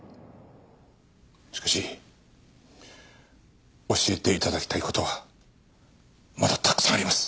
しかし教えて頂きたい事はまだたくさんあります。